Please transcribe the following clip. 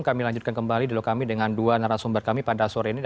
kami lanjutkan kembali dialog kami dengan dua narasumber kami pada sore ini